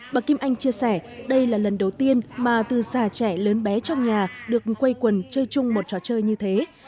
bà kim anh chia sẻ đây là lần đầu tiên mà từ già trẻ lớn bé trong nhà được quây quần chơi chung một trò chơi như thế